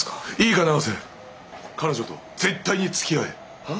いいか永瀬彼女と絶対につきあえ！は？